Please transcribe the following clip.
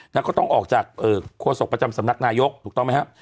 แล้วก็ต้องออกจากโฆษกประจำสำนักนายกถูกต้องไหมครับ